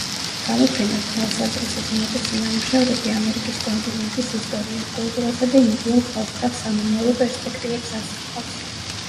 გამოფენა „თვალსაზრისის“ უმეტესი ნამუშევრები ამერიკის კონტინენტის ისტორიას, კულტურასა და ინდიელ ხალხთა სამომავლო პერსპექტივებს ასახავს.